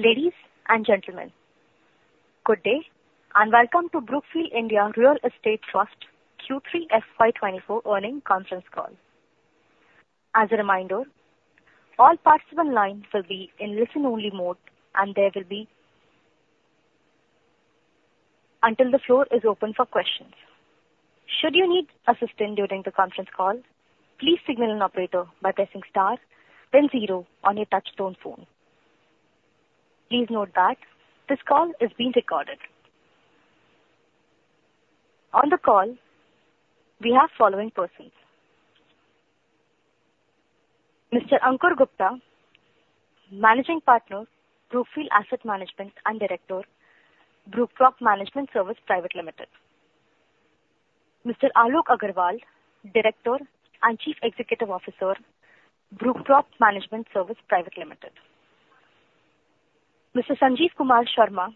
Ladies and gentlemen, good day, and welcome to Brookfield India Real Estate Trust Q3 FY 2024 earnings conference call. As a reminder, all participants in line will be in listen-only mode, and there will be until the floor is open for questions. Should you need assistance during the conference call, please signal an operator by pressing star then zero on your touchtone phone. Please note that this call is being recorded. On the call, we have following persons: Mr. Ankur Gupta, Managing Partner, Brookfield Asset Management, and Director, Brookprop Management Services Private Limited; Mr. Alok Aggarwal, Director and Chief Executive Officer, Brookprop Management Services Private Limited; Mr. Sanjeev Kumar Sharma,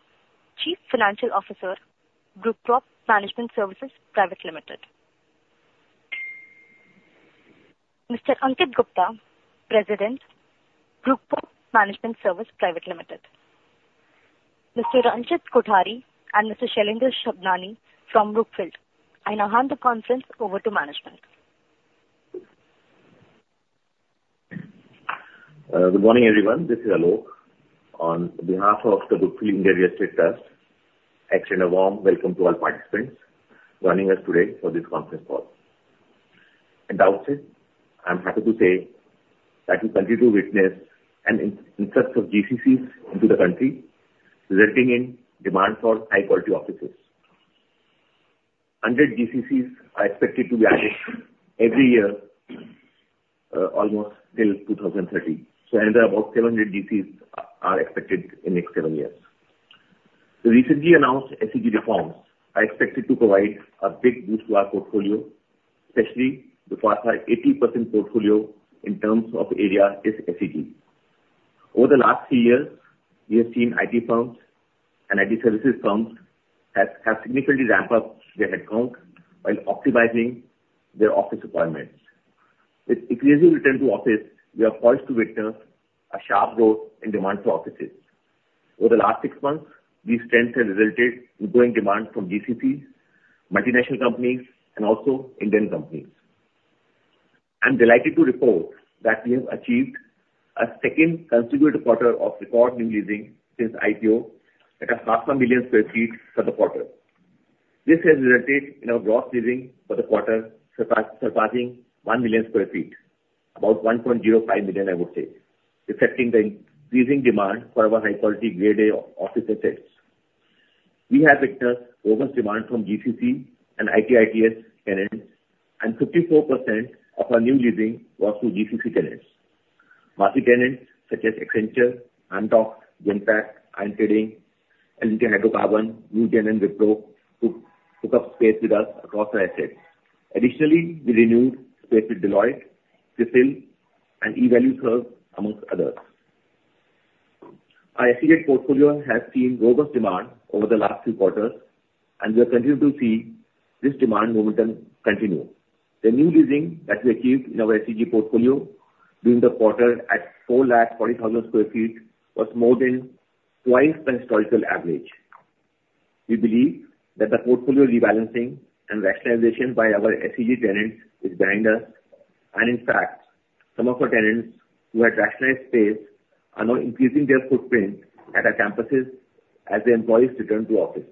Chief Financial Officer, Brookprop Management Services Private Limited; Mr. Ankit Gupta, President, Brookprop Management Services Private Limited; Mr. Reji Kothari and Mr. Shailendra Sabhnani from Brookfield. I now hand the conference over to management. Good morning, everyone. This is Alok. On behalf of the Brookfield India Real Estate Trust, extend a warm welcome to all participants joining us today for this conference call. At the outset, I'm happy to say that we continue to witness an increasing interest of GCCs into the country, resulting in demand for high-quality offices. 100 GCCs are expected to be added every year, almost till 2030. So another about 700 GCCs are expected in next seven years. The recently announced SEZ reforms are expected to provide a big boost to our portfolio, especially because our 80% portfolio in terms of area is SEZ. Over the last few years, we have seen IT firms and IT services firms have significantly ramped up their headcount while optimizing their office requirements. With easier return to office, we are poised to witness a sharp growth in demand for offices. Over the last six months, these trends have resulted in growing demand from GCCs, multinational companies, and also Indian companies. I'm delighted to report that we have achieved a second consecutive quarter of record new leasing since IPO, at 500,000 sq ft for the quarter. This has resulted in our gross leasing for the quarter surpassing 1 million sq ft, about 1.05 million, I would say, reflecting the increasing demand for our high-quality Grade A office assets. We have witnessed robust demand from GCC and IT/ITES tenants, and 54% of our new leasing was to GCC tenants. Multinationals such as Accenture, Amdocs, Genpact, Iron Mountain, L&T Hydrocarbon, Newgen and Wipro, who took up space with us across our assets. Additionally, we renewed space with Deloitte, CRISIL, and Evalueserve, among others. Our SEZ portfolio has seen robust demand over the last few quarters, and we are continuing to see this demand momentum continue. The new leasing that we achieved in our SEZ portfolio during the quarter at 440,000 sq ft, was more than twice the historical average. We believe that the portfolio rebalancing and rationalization by our SEZ tenants is behind us, and in fact, some of our tenants who had rationalized space are now increasing their footprint at our campuses as their employees return to office.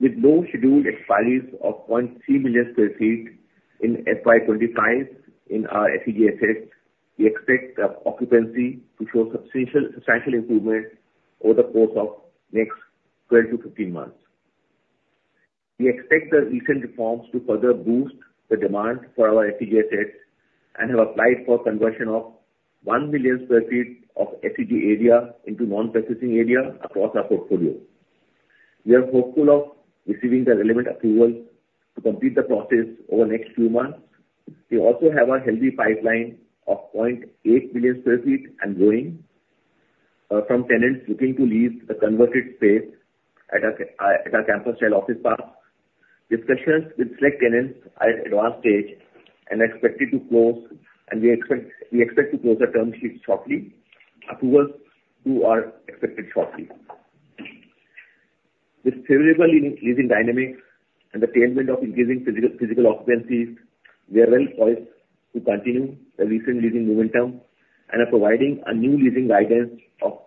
With no scheduled expiries of 300,000 sq ft in FY25 in our SEZ assets, we expect the occupancy to show substantial improvement over the course of next 12-15 months. We expect the recent reforms to further boost the demand for our SEZ assets and have applied for conversion of 1 million sq ft of SEZ area into non-SEZ area across our portfolio. We are hopeful of receiving the relevant approval to complete the process over the next few months. We also have a healthy pipeline of 0.8 million sq ft and growing from tenants looking to lease the converted space at our campus-style office park. Discussions with select tenants are at advanced stage and are expected to close, and we expect, we expect to close the term sheets shortly, approvals too are expected shortly. With favorable leasing dynamics and the attainment of increasing physical occupancies, we are well poised to continue the recent leasing momentum and are providing a new leasing guidance of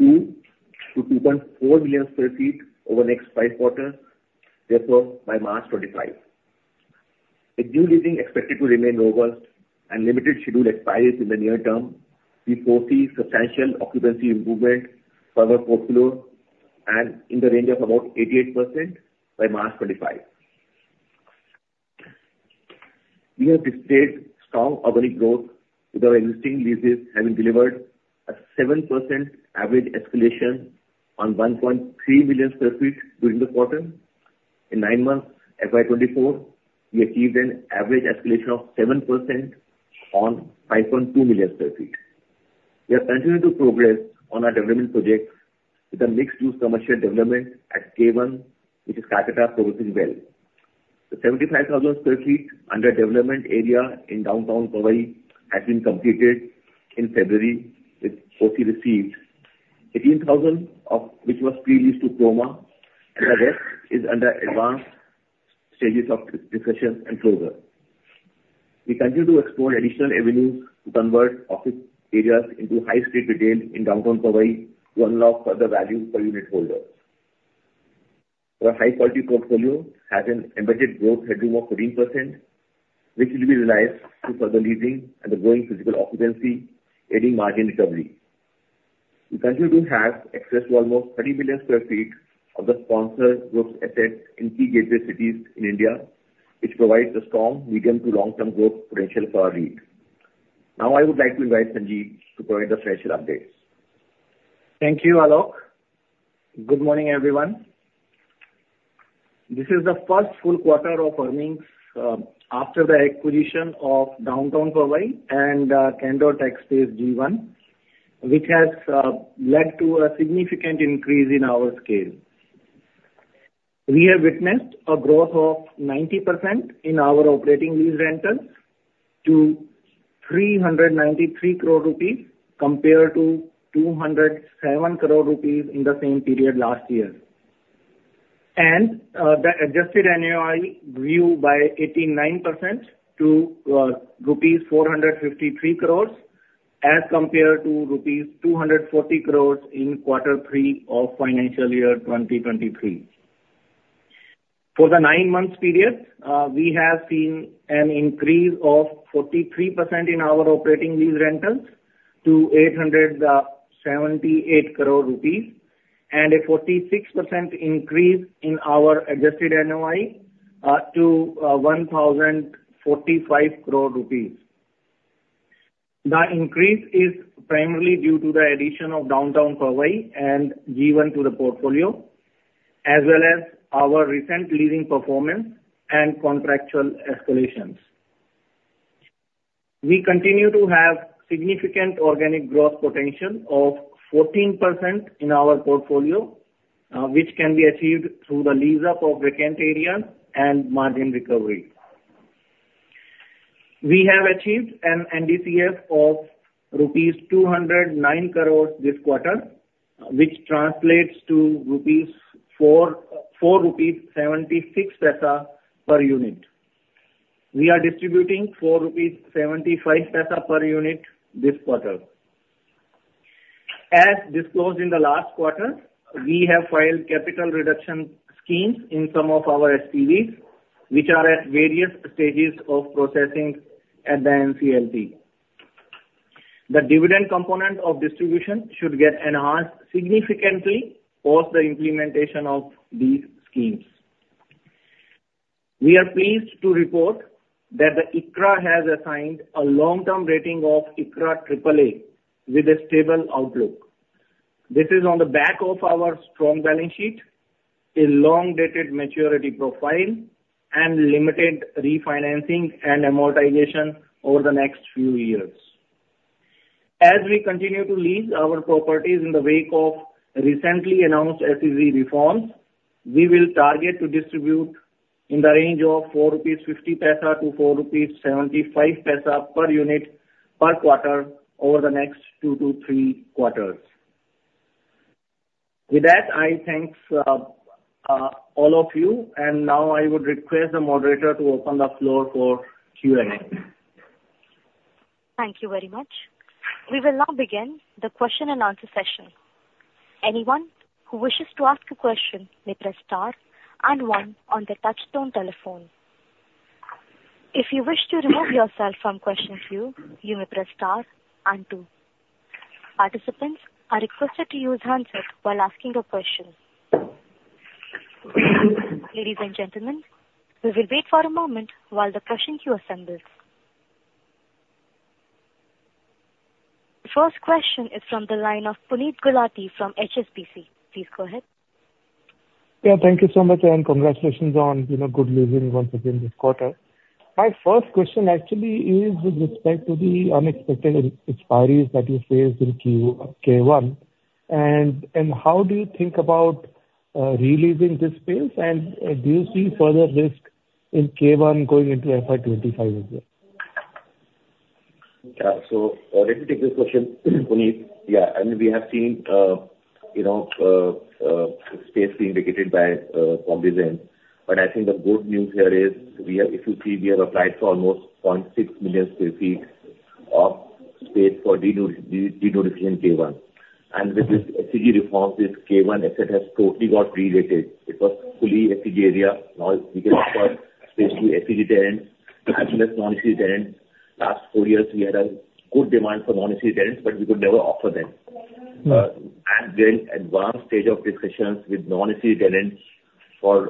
2-2.4 million sq ft over the next 5 quarters, therefore by March 2025. With new leasing expected to remain robust and limited scheduled expiries in the near term, we foresee substantial occupancy improvement for our portfolio and in the range of about 88% by March 2025. We have displayed strong organic growth with our existing leases, having delivered a 7% average escalation on 1.3 million sq ft during the quarter. In 9 months, FY 2024, we achieved an average escalation of 7% on 5.2 million sq ft. We are continuing to progress on our development projects with a mixed-use commercial development at K1, which is Calcutta, progressing well. The 75,000 sq ft under development area in Downtown Powai has been completed in February, with OC received. 18,000 of which was pre-leased to Croma, and the rest is under advanced stages of discussions and closure. We continue to explore additional avenues to convert office areas into high street retail in Downtown Powai, to unlock further value per unit holder. Our high quality portfolio has an embedded growth headroom of 14%, which will be realized through further leasing and the growing physical occupancy, adding margin recovery. We continue to have access to almost 30 million sq ft of the sponsor group's assets in key gateway cities in India, which provides a strong medium to long-term growth potential for our REIT. Now, I would like to invite Sanjeev to provide the financial updates. Thank you, Alok. Good morning, everyone. This is the first full quarter of earnings after the acquisition of Downtown Powai and Candor TechSpace G1, which has led to a significant increase in our scale. We have witnessed a growth of 90% in our operating lease rentals to 393 crore rupees, compared to 207 crore rupees in the same period last year. The Adjusted NOI grew by 89% to rupees 453 crore, as compared to rupees 240 crore in quarter three of financial year 2023. For the nine months period, we have seen an increase of 43% in our operating lease rentals to 878 crore rupees, and a 46% increase in our Adjusted NOI to 1,045 crore rupees. The increase is primarily due to the addition of Downtown Powai and G1 to the portfolio, as well as our recent leasing performance and contractual escalations. We continue to have significant organic growth potential of 14% in our portfolio, which can be achieved through the lease up of vacant areas and margin recovery. We have achieved an NDCF of rupees 209 crores this quarter, which translates to 4.76 rupees per unit. We are distributing 4.75 rupees per unit this quarter. As disclosed in the last quarter, we have filed capital reduction schemes in some of our SPVs, which are at various stages of processing at the NCLT. The dividend component of distribution should get enhanced significantly post the implementation of these schemes. We are pleased to report that the ICRA has assigned a long-term rating of ICRA triple A with a stable outlook. This is on the back of our strong balance sheet, a long-dated maturity profile, and limited refinancing and amortization over the next few years. As we continue to lease our properties in the wake of recently announced SEZ reforms, we will target to distribute in the range of 4.50-4.75 rupees per unit per quarter over the next two to three quarters. With that, I thank all of you, and now I would request the moderator to open the floor for Q&A. Thank you very much. We will now begin the question-and-answer session. Anyone who wishes to ask a question may press star and one on their touchtone telephone. If you wish to remove yourself from question queue, you may press star and two. Participants are requested to use handset while asking a question. Ladies and gentlemen, we will wait for a moment while the question queue assembles. The first question is from the line of Puneet Gulati from HSBC. Please go ahead. Yeah, thank you so much, and congratulations on, you know, good leasing once again this quarter. My first question actually is with respect to the unexpected expiries that you faced in Q1, and how do you think about re-leasing this space? And do you see further risk in Q1 going into FY25 as well? Yeah. So let me take this question, Puneet. Yeah, I mean, we have seen, you know, space being vacated by companies, but I think the good news here is we are, if you see, we have applied for almost 0.6 million sq ft of space for de-notifying in K1. And with this SEZ reforms, this K1 asset has totally got re-rated. It was fully SEZ area. Now we can offer space to SEZ tenants as well as non-SEZ tenants. Last four years, we had a good demand for non-SEZ tenants, but we could never offer them. Mm-hmm. We're in advanced stage of discussions with non-SEZ tenants for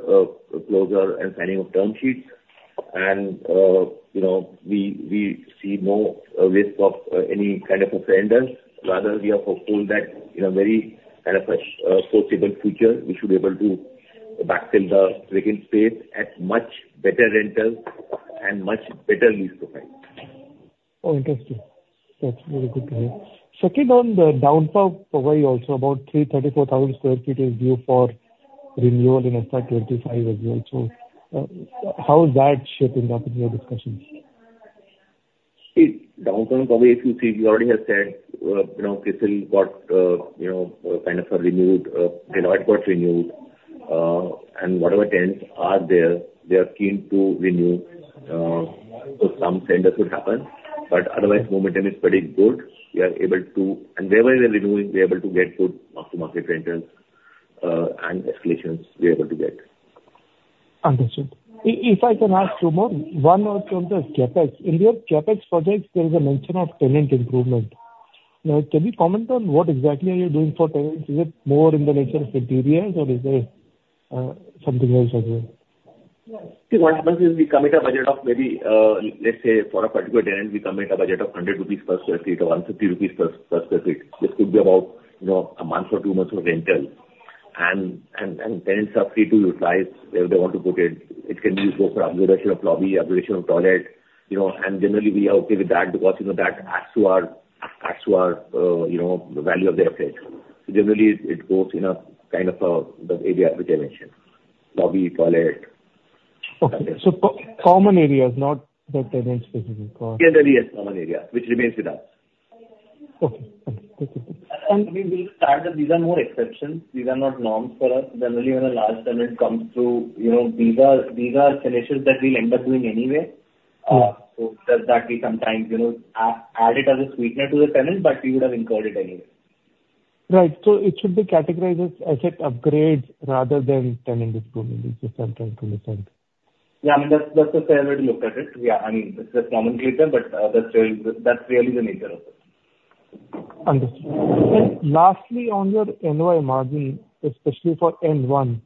closure and signing of term sheets. You know, we see no risk of any kind of showstopper. Rather, we are hopeful that in a very kind of a foreseeable future, we should be able to backfill the vacant space at much better rentals and much better lease profile.... Oh, interesting. That's very good to hear. Second, on the downtown Mumbai, also about 334,000 sq ft is due for renewal in FY25 as well. So, how is that shaping up in your discussions? See, downtown Mumbai, if you see, we already have said, you know, CRISIL got, you know, kind of, renewed, Deloitte got renewed. And whatever tenants are there, they are keen to renew, so some turnover could happen. But otherwise, momentum is pretty good. We are able to. And wherever we are renewing, we are able to get good after market rentals, and escalations we are able to get. Understood. If I can ask two more, one was on the CapEx. In your CapEx projects, there is a mention of tenant improvement. Now, can you comment on what exactly are you doing for tenants? Is it more in the nature of interiors, or is there something else as well? See, what happens is we come at a budget of maybe, let's say, for a particular tenant, we come at a budget of 100 rupees per sq ft or 150 rupees per sq ft. This could be about, you know, a month or two months of rental. And tenants are free to utilize where they want to put it. It can be both for upgradation of lobby, upgradation of toilet, you know, and generally, we are okay with that because, you know, that adds to our, adds to our, you know, the value of the asset. So generally, it goes in a kind of, the area which I mentioned, lobby, toilet. Okay. So common areas, not the tenants specifically? Generally, yes, common area, which remains with us. Okay. Thank you. We will start that these are more exceptions, these are not norms for us. Generally, when a large tenant comes through, you know, these are, these are finishes that we'll end up doing anyway. Sure. So that we sometimes, you know, add it as a sweetener to the tenant, but we would have incurred it anyway. Right. It should be categorized as asset upgrades rather than tenant improvement, is what I'm trying to understand. Yeah, I mean, that's, that's a fair way to look at it. Yeah. I mean, it's just common later, but, that's really, that's really the nature of it. Understood. Lastly, on your NOI margin, especially for N1,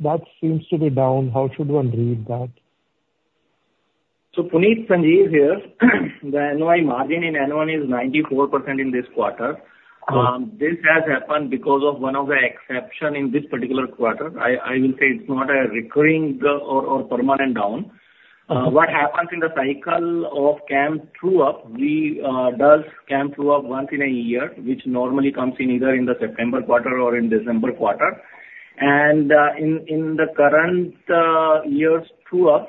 that seems to be down. How should one read that? Puneet. Sanjeev here. The NOI margin in N1 is 94% in this quarter. Okay. This has happened because of one of the exception in this particular quarter. I will say it's not a recurring, or permanent down. Uh-huh. What happens in the cycle of CAM true-up? We do CAM true-up once in a year, which normally comes in either in the September quarter or in December quarter. In the current year's true-up,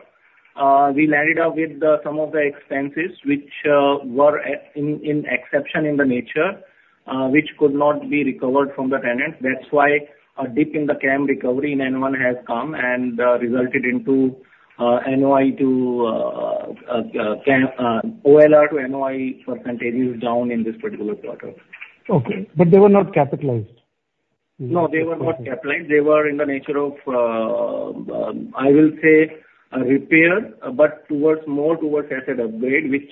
we landed up with some of the expenses, which were exceptional in nature, which could not be recovered from the tenant. That's why a dip in the CAM recovery in N1 has come and resulted into the OLR to NOI percentage is down in this particular quarter. Okay, but they were not capitalized? No, they were not capitalized. Okay. They were in the nature of, I will say, a repair, but towards more towards asset upgrade, which,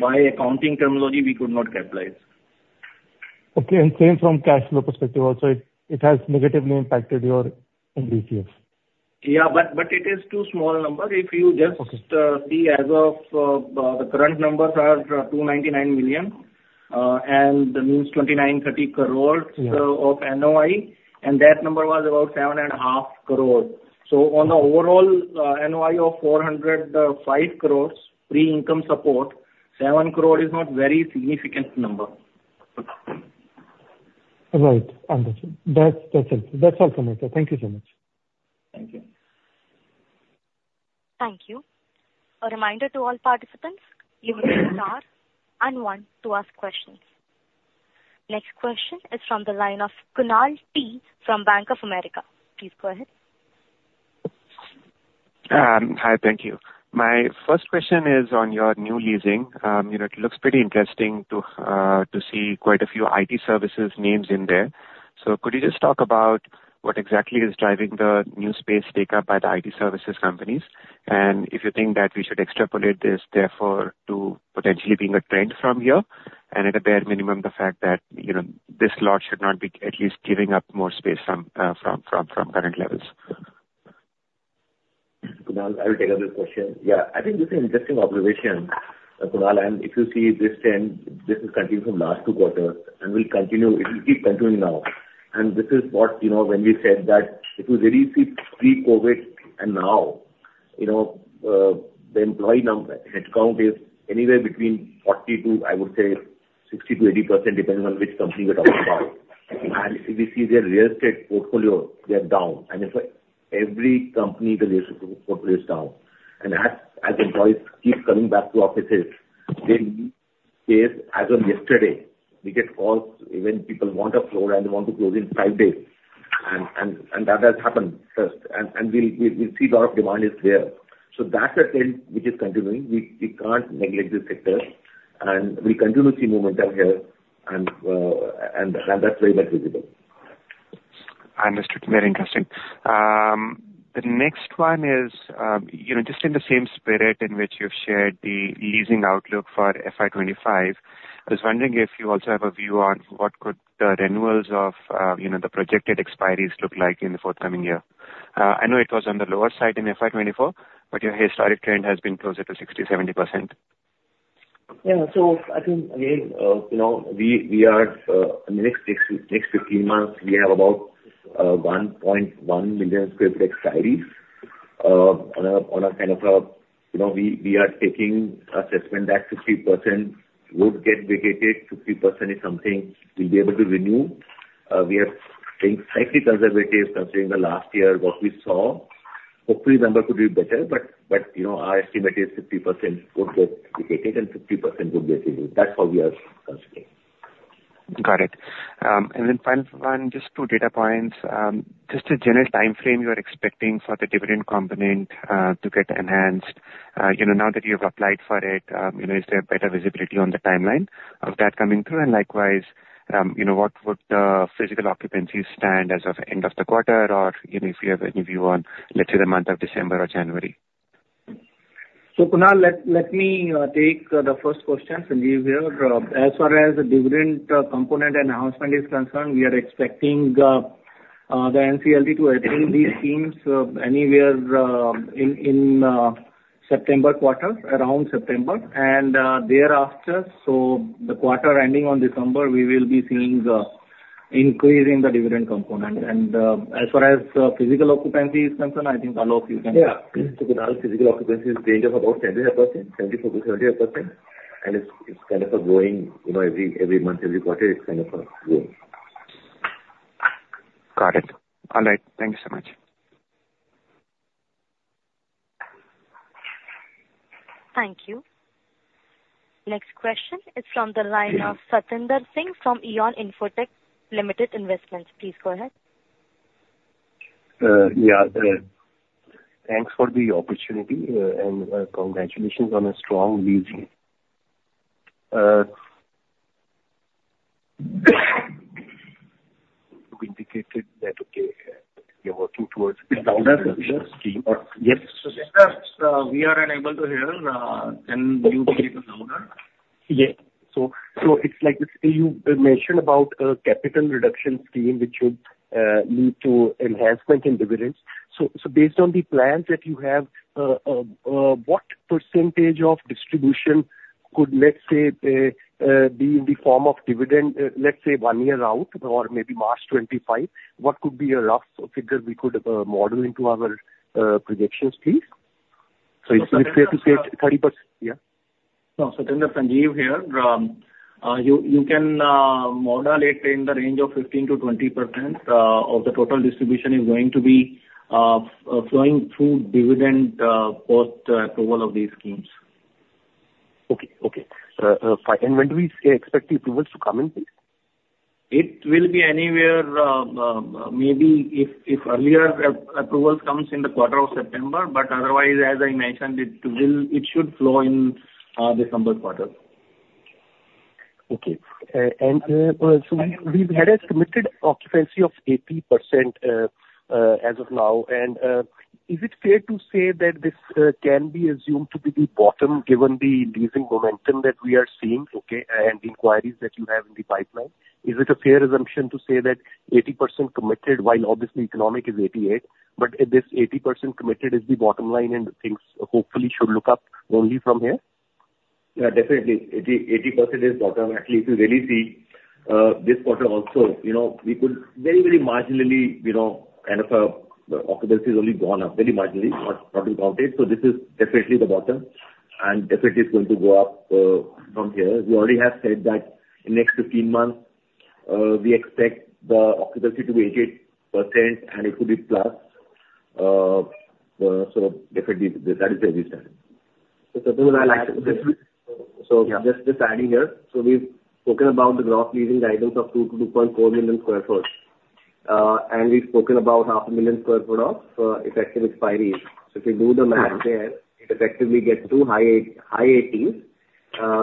by accounting terminology, we could not capitalize. Okay, and same from cash flow perspective also, it has negatively impacted your [increative]? Yeah, but, but it is too small a number. Okay. If you just see as of the current numbers are 299 million, and that means 29-30 crore- Yeah of NOI, and that number was about 7.5 crore. So on the overall, NOI of 405 crore pre-income support, 7 crore is not very significant number. Right. Understood. That's, that's it. That's all from me. So thank you so much. Thank you. Thank you. A reminder to all participants, you may star one to ask questions. Next question is from the line of Kunal Tayal, from Bank of America. Please go ahead. Hi. Thank you. My first question is on your new leasing. You know, it looks pretty interesting to see quite a few IT services names in there. So could you just talk about what exactly is driving the new space takeup by the IT services companies? And if you think that we should extrapolate this therefore to potentially being a trend from here, and at a bare minimum, the fact that, you know, this lot should not be at least giving up more space from current levels. Kunal, I will take up this question. Yeah, I think this is interesting observation, Kunal, and if you see this trend, this is continuing from last 2 quarters and will continue, it will keep continuing now. And this is what, you know, when we said that if you really see pre-COVID and now, the employee headcount is anywhere between 40 to, I would say, 60 to 80%, depending on which company you're talking about. And if you see their real estate portfolio, they are down. And in fact, every company, the real estate portfolio is down. And as employees keep coming back to offices, they will be, as of yesterday, we get calls when people want a floor, and they want to close in 5 days. And that has happened first. And we'll see lot of demand is there. So that's a trend which is continuing. We can't neglect this sector, and we continue to see momentum here, and that's very much visible. Understood. Very interesting. The next one is, you know, just in the same spirit in which you've shared the leasing outlook for FY25, I was wondering if you also have a view on what could the renewals of, you know, the projected expiries look like in the forthcoming year? I know it was on the lower side in FY24, but your historic trend has been closer to 60%-70%. Yeah. So I think again, you know, we are in the next 6, next 15 months, we have about- ... one point one million sq ft expiries, on a kind of a, you know, we are taking assessment that 50% would get vacated, 50% is something we'll be able to renew. We are being slightly conservative considering the last year, what we saw. Hopefully, November could be better, but, you know, our estimate is 50% would get vacated and 50% would get renewed. That's how we are considering. Got it. And then final one, just two data points. Just a general timeframe you are expecting for the dividend component to get enhanced. You know, now that you've applied for it, you know, is there better visibility on the timeline of that coming through? And likewise, you know, what would the physical occupancy stand as of end of the quarter, or, you know, if you have any view on, let's say, the month of December or January? Kunal, let me take the first question. Sanjeev here. As far as the dividend component announcement is concerned, we are expecting the NCLT to approve these schemes anywhere in the September quarter, around September and thereafter. The quarter ending on December, we will be seeing the increase in the dividend component. As far as the physical occupancy is concerned, I think Alok, you can- Yeah. So Kunal, physical occupancy has changed about 77%, 74%-78%, and it's kind of growing, you know, every month, every quarter, it's kind of growing. Got it. All right. Thank you so much. Thank you. Next question is from the line of Satinder Singh from Eon Infotech Limited. Please go ahead. Yeah, thanks for the opportunity, and congratulations on a strong leading. You indicated that, okay, we are working towards- Louder, yes. We are unable to hear, can you speak a little louder? Yeah. So, it's like you mentioned about a capital reduction scheme which would lead to enhancement in dividends. So, based on the plans that you have, what percentage of distribution could, let's say, be in the form of dividend, let's say, one year out or maybe March 2025? What could be a rough figure we could model into our projections, please? So is it fair to say 30%? Yeah. No, Satinder, Sanjeev here. You can model it in the range of 15%-20% of the total distribution is going to be flowing through dividend post approval of these schemes. Okay. Okay. Fine. And when do we expect the approvals to come in, please? It will be anywhere, maybe if earlier approval comes in the quarter of September, but otherwise, as I mentioned, it will, it should flow in December quarter. Okay. So we've had a committed occupancy of 80%, as of now. Is it fair to say that this can be assumed to be the bottom, given the leasing momentum that we are seeing, okay, and inquiries that you have in the pipeline? Is it a fair assumption to say that 80% committed, while obviously economic is 88, but this 80% committed is the bottom line, and things hopefully should look up only from here? Yeah, definitely. 80, 80% is bottom. Actually, if you really see, this quarter also, you know, we could very, very marginally, you know, kind of, the occupancy has only gone up very marginally, not, not importantly. So this is definitely the bottom, and definitely it's going to go up, from here. We already have said that in the next 15 months, we expect the occupancy to be 88%, and it could be plus, so definitely that is where we stand. So, Satinder, I'll add to this. Yeah. Just, just adding here. So we've spoken about the gross leasing guidance of 2-2.4 million sq ft. And we've spoken about half a million sq ft of effective expiry. So if you do the math there, it effectively gets to high 80, high 80s,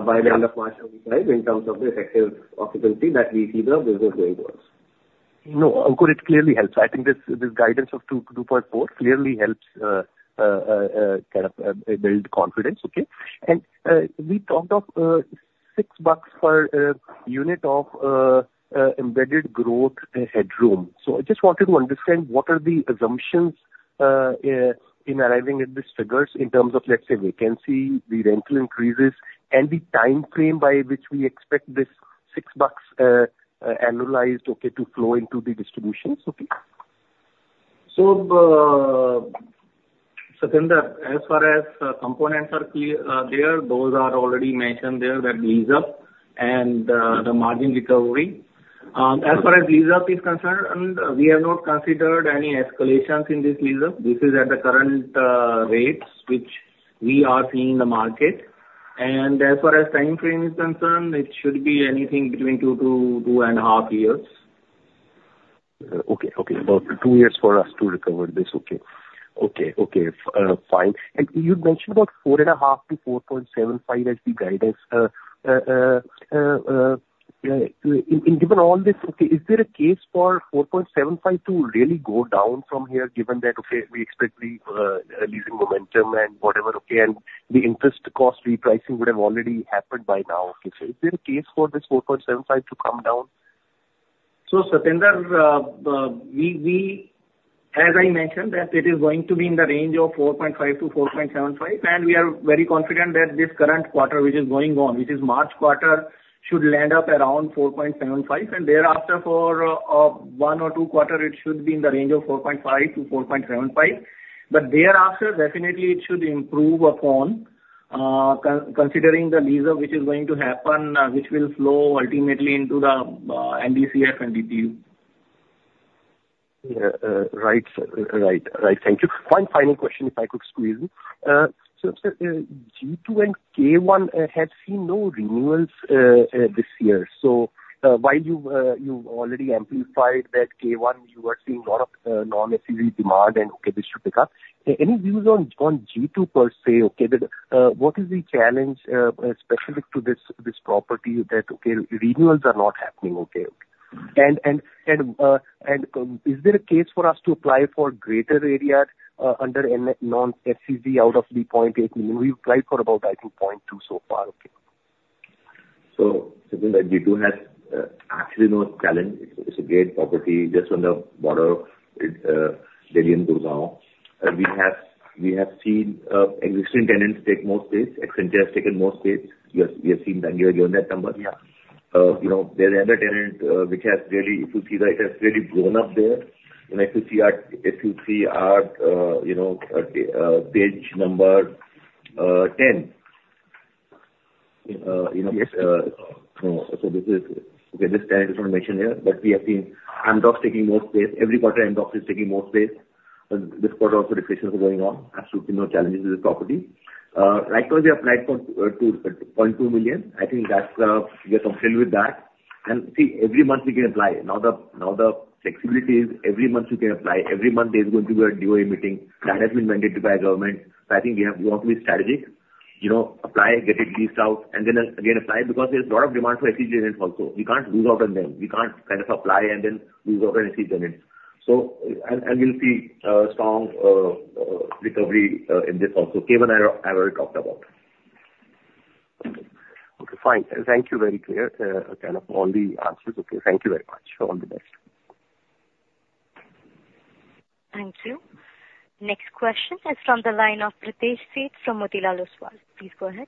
by the end of March 2025 in terms of the effective occupancy that we see the business going towards. No, of course, it clearly helps. I think this, this guidance of 2-2.4 clearly helps, kind of, build confidence, okay? We talked of INR 6 per unit of embedded growth headroom. So I just wanted to understand, what are the assumptions in arriving at these figures in terms of, let's say, vacancy, the rental increases, and the timeframe by which we expect this INR 6, annualized, okay, to flow into the distributions? Okay. So, Satinder, as far as components are clear, there, those are already mentioned there, the lease up and, the margin recovery. As far as lease up is concerned, and we have not considered any escalations in this lease up. This is at the current, rates which we are seeing in the market. And as far as timeframe is concerned, it should be anything between 2-2.5 years. Okay, okay. About two years for us to recover this. Okay. Okay, okay, fine. And you mentioned about 4.5-4.75 as the guidance. In given all this, okay, is there a case for 4.75 to really go down from here, given that, okay, we expect the leasing momentum and whatever, okay, and the interest cost repricing would have already happened by now? Okay. So is there a case for this 4.75 to come down? So, Satinder, we... ...As I mentioned, that it is going to be in the range of 4.5-4.75, and we are very confident that this current quarter, which is going on, which is March quarter, should land up around 4.75, and thereafter for one or two quarter, it should be in the range of 4.5-4.75. But thereafter, definitely it should improve upon, considering the lease which is going to happen, which will flow ultimately into the NDCF and DPU. Yeah, right, right, right. Thank you. One final question, if I could squeeze in. So, sir, G2 and K1 have seen no renewals, this year. So, while you've, you've already amplified that K1, you are seeing lot of, non-SEZ demand, and okay, this should pick up. Any views on, on G2 per se, okay? But, what is the challenge, specific to this, this property that, okay, renewals are not happening, okay? And, and, and, and is there a case for us to apply for greater area, under non-SEZ out of the 0.8 million? We've applied for about, I think, 0.2 so far, okay. G2 has actually no challenge. It's a great property just on the border of Delhi and Gurgaon. We have seen existing tenants take more space. Accenture has taken more space. We have seen that number. Yeah. You know, there's another tenant which has really, if you see that, it has really grown up there. And if you see, you know, page number ten. You know- Yes. So this is, okay, this tenant is not mentioned here, but we have seen Amdocs taking more space. Every quarter, Amdocs is taking more space, and this quarter also discussions are going on. There should be no challenges with the property. Right now, we applied for 2.2 million. I think that's, we are comfortable with that. And see, every month we can apply. Now the, now the flexibility is every month you can apply. Every month there's going to be a DoA meeting. That has been mandated by government. So I think we have to be strategic, you know, apply, get it leased out, and then again, apply, because there's a lot of demand for SEZ tenants also. We can't lose out on them. We can't kind of apply and then lose out on SEZ tenants. So, we'll see strong recovery in this also. K1 I already talked about. Okay, fine. Thank you, very clear, kind of all the answers. Okay, thank you very much. All the best. Thank you. Next question is from the line of Pritesh Sheth from Motilal Oswal. Please go ahead.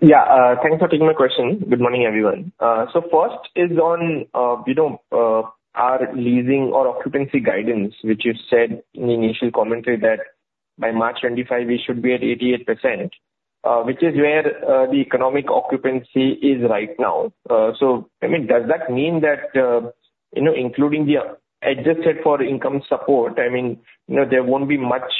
Yeah, thanks for taking my question. Good morning, everyone. So first is on, you know, our leasing or occupancy guidance, which you said in the initial commentary that by March 2025, we should be at 88%, which is where the economic occupancy is right now. So, I mean, does that mean that, you know, including the adjusted for income support, I mean, you know, there won't be much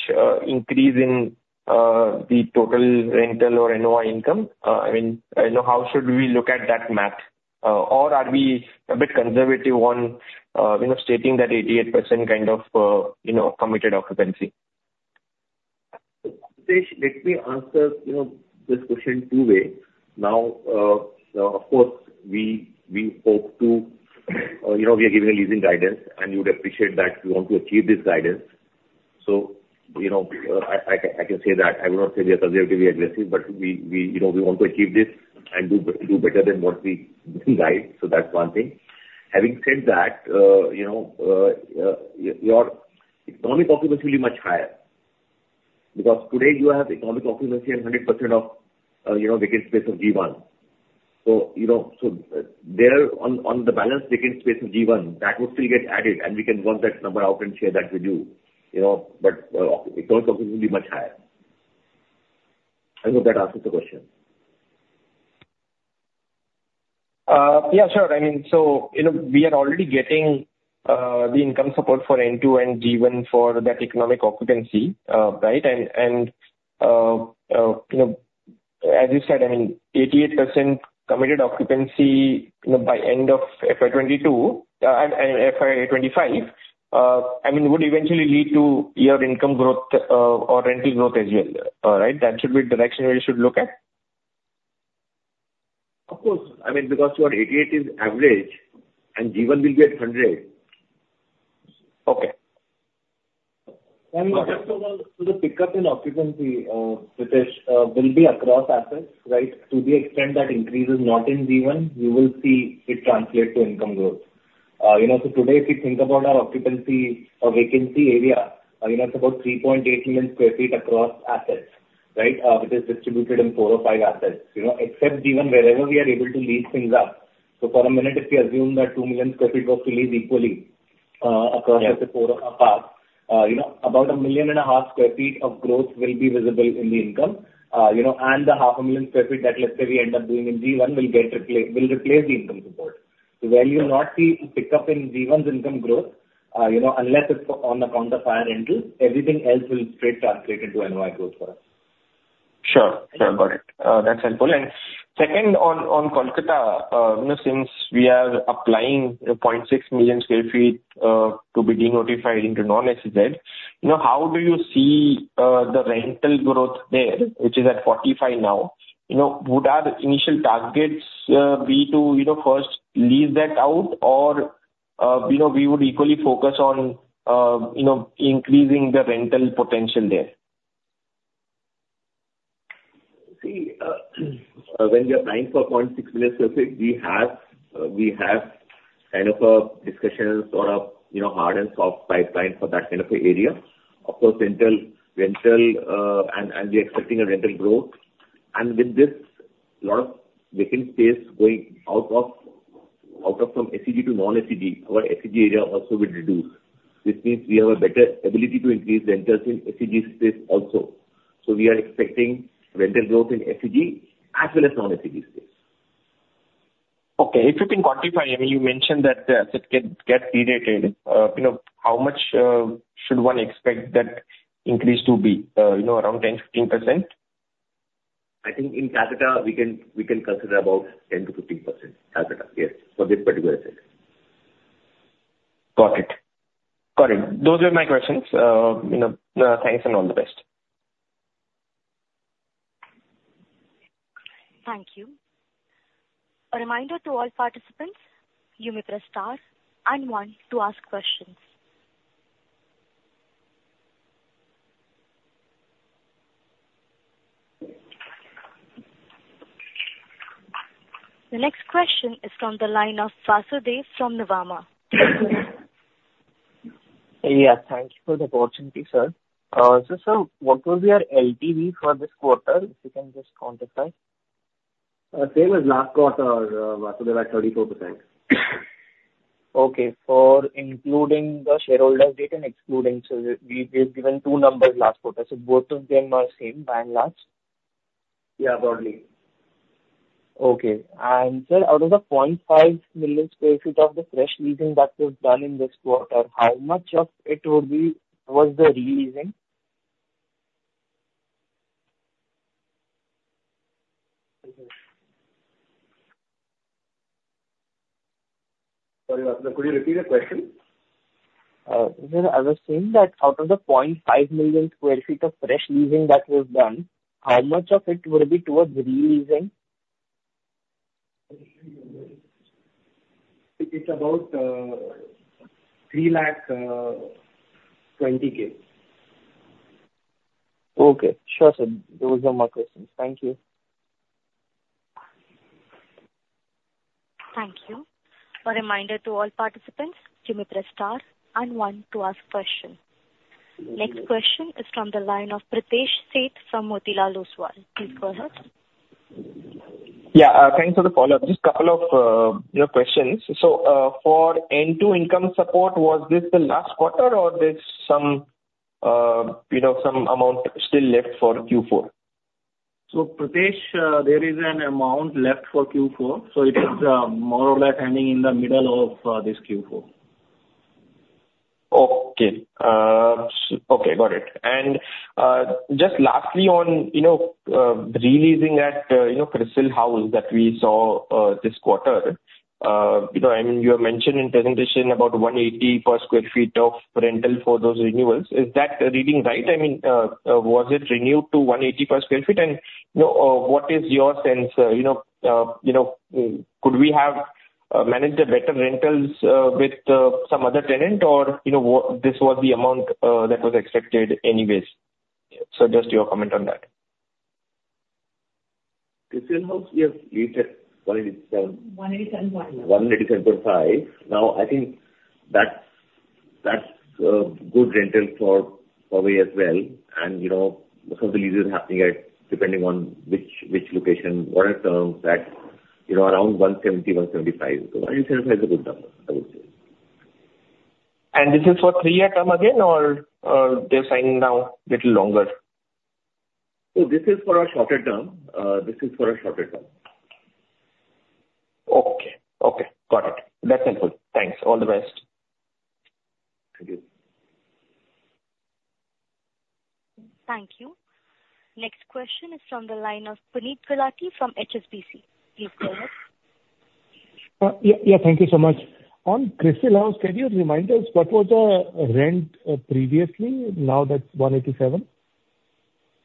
increase in the total rental or NOI income? I mean, you know, how should we look at that math? Or are we a bit conservative on, you know, stating that 88% kind of committed occupancy? Pritesh, let me answer, you know, this question two ways. Now, of course, we hope to, you know, we are giving a leasing guidance, and you'd appreciate that we want to achieve this guidance. So, you know, I can say that I would not say we are conservative, we are aggressive, but we, you know, we want to achieve this and do better than what we guide. So that's one thing. Having said that, you know, your economic occupancy will be much higher, because today you have economic occupancy at 100% of, you know, vacant space of G1. You know, so there on, on the balance, vacant space in G1, that would still get added, and we can work that number out and share that with you, you know, but economic occupancy will be much higher. I hope that answers the question. Yeah, sure. I mean, so, you know, we are already getting the income support for N2 and G1 for that economic occupancy, right? And, and, you know, as you said, I mean, 88% committed occupancy, you know, by end of FY 2022, FY 2025, I mean, would eventually lead to your income growth, or rental growth as well, right? That should be the direction we should look at? Of course. I mean, because your 88 is average, and G1 will be at 100. Okay. Just to the pickup in occupancy, Pritesh, will be across assets, right? To the extent that increase is not in G1, you will see it translate to income growth. You know, so today, if you think about our occupancy or vacancy area, you know, it's about 3.8 million sq ft across assets, right? It is distributed in 4 or 5 assets, you know, except G1, wherever we are able to lease things up. So for a minute, if we assume that 2 million sq ft was to lease equally, across- Yeah. The 4 apart, you know, about 1.5 million sq ft of growth will be visible in the income. You know, and the 0.5 million sq ft that let's say we end up doing in G1 will replace the income support. So where you'll not see pickup in G1's income growth, you know, unless it's on account of higher rentals, everything else will straight translate into NOI growth for us. Sure, sure. Got it. That's helpful. And second, on, on Kolkata, you know, since we are applying 0.6 million sq ft to be denotified into non-SEZ, you know, how do you see the rental growth there, which is at 45 now? You know, would our initial targets be to, you know, first lease that out, or, you know, we would equally focus on, you know, increasing the rental potential there? ... See, when we are buying 0.6 million sq ft, we have kind of a discussions or a, you know, hard and soft pipeline for that kind of a area. Of course, rental and we are expecting a rental growth. And with this, lot of vacant space going out from ACG to non-ACG. Our ACG area also will reduce, which means we have a better ability to increase rentals in ACG space also. So we are expecting rental growth in ACG as well as non-ACG space. Okay. If you can quantify, I mean, you mentioned that the asset can get de-rated. You know, how much should one expect that increase to be? You know, around 10, 15%? I think in Calcutta we can, we can consider about 10%-15%. Calcutta, yes, for this particular asset. Got it. Got it. Those were my questions. You know, thanks and all the best. Thank you. A reminder to all participants, you may press star and one to ask questions. The next question is from the line of Vasudev from Nuvama. Yeah, thank you for the opportunity, sir. So, sir, what will be our LTV for this quarter, if you can just quantify? Same as last quarter, Vasudev, at 34%. Okay, for including the shareholder date and excluding. So we've given two numbers last quarter, so both of them are the same by and large? Yeah, broadly. Okay. Sir, out of the 0.5 million sq ft of the fresh leasing that was done in this quarter, how much of it would be towards the re-leasing? Sorry, Vasudev, could you repeat the question? Sir, I was saying that out of the 0.5 million sq ft of fresh leasing that was done, how much of it would be towards re-leasing? It's about 320,000. Okay, sure, sir. Those are my questions. Thank you. Thank you. A reminder to all participants, you may press star and one to ask question. Next question is from the line of Pritesh Sheth from Motilal Oswal. Please go ahead. Yeah, thanks for the follow-up. Just couple of, you know, questions. So, for N2 income support, was this the last quarter or there's some, you know, some amount still left for Q4? So, Pritesh, there is an amount left for Q4, so it is more or less ending in the middle of this Q4. Okay. So, okay, got it. And just lastly on, you know, re-leasing at, you know, Crisil House that we saw this quarter. You know, and you have mentioned in presentation about 180 per sq ft of rental for those renewals. Is that reading right? I mean, was it renewed to 180 per sq ft? And, you know, what is your sense, you know, you know, could we have managed the better rentals with some other tenant or, you know, what, this was the amount that was expected anyways? So just your comment on that. Crisil House, yes, leased at 187. 187. 187.5. Now, I think that's, that's good rental for Powai as well. And, you know, some of the leases happening at depending on which, which location, what are terms that, you know, around 170, 175. So INR 187 is a good number, I would say. This is for three-year term again or, they're signing now little longer? So this is for a shorter term. This is for a shorter term. Okay. Okay, got it. That's helpful. Thanks. All the best. Thank you. Thank you. Next question is from the line of Puneet Gulati from HSBC. Please go ahead. Yeah, yeah, thank you so much. On Crisil House, can you remind us what was the rent previously, now that's 187?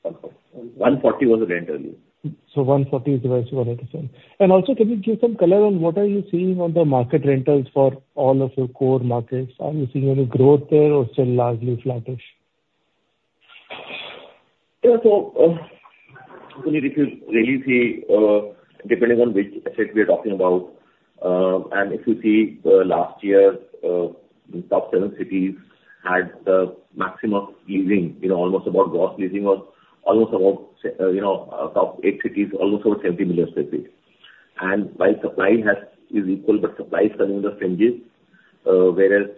140 was the rent earlier. So 140 is versus 187. And also, can you give some color on what are you seeing on the market rentals for all of your core markets? Are you seeing any growth there or still largely flattish? Yeah, so, Puneet, this is really the, depending on which asset we are talking about. And if you see, last year, top seven cities had maximum leasing, you know, almost about gross leasing was almost about, you know, top eight cities, almost about 70 million sq ft. And while supply is equal, but supply is coming in the fringes, whereas,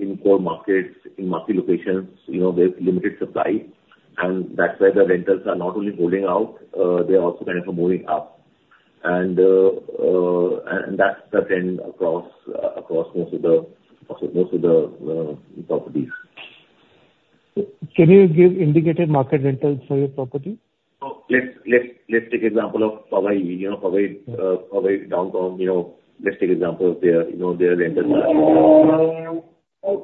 in core markets, in multi locations, you know, there's limited supply, and that's why the rentals are not only holding out, they're also kind of moving up. And that's the trend across most of the properties. Can you give indicated market rentals for your property? Oh, let's take example of Powai. You know, Powai, Powai downtown, you know, let's take example of their, you know, their rentals are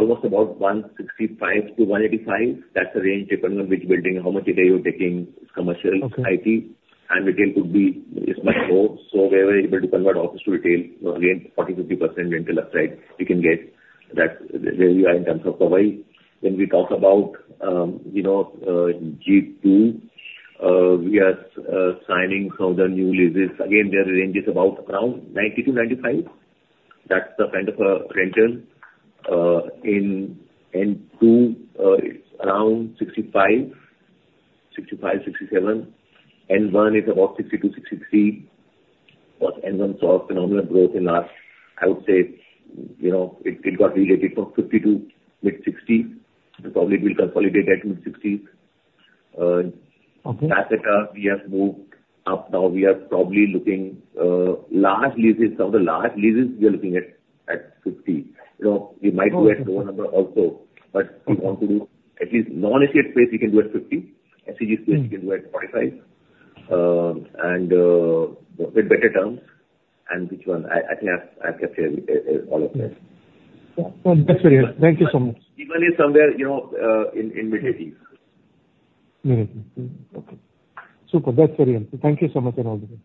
almost about 165-185. That's the range, depending on which building, how much area you're taking, commercial, IT. Okay. Retail could be much more. So we are able to convert office to retail, again, 40%-50% rental upside, we can get. That's where we are in terms of Powai. When we talk about, you know, G2, we are signing some of the new leases. Again, their range is about around 90-95. That's the kind of rental in N2, it's around 65-67. N1 is about 62-63, but N1 saw phenomenal growth in last, I would say, you know, it got re-leased from 50 to mid-60. So probably it will consolidate at INR mid-60. Okay.... we have moved up. Now, we are probably looking large leases, some of the large leases, we are looking at 50. You know, we might go at lower number also, but we want to do at least non-ACG space, we can do at 50. ACG space, we can do at 45. And with better terms, and which one? I think I've captured all of that. Yeah. No, that's very helpful. Thank you so much. Even if somewhere, you know, in mid-teens. Mm-hmm. Okay. Super, that's very helpful. Thank you so much, and all the best.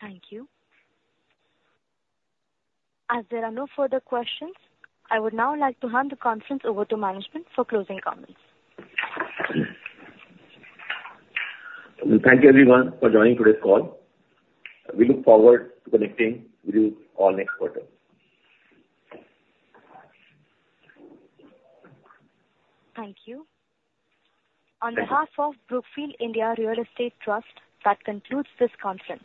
Thank you. As there are no further questions, I would now like to hand the conference over to management for closing comments. Thank you everyone for joining today's call. We look forward to connecting with you all next quarter. Thank you. Thank you. On behalf of Brookfield India Real Estate Trust, that concludes this conference.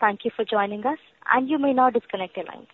Thank you for joining us, and you may now disconnect your lines.